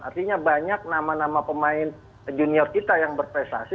artinya banyak nama nama pemain junior kita yang berprestasi